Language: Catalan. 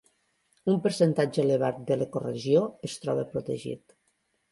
Un percentatge elevat de l'ecoregió es troba protegit.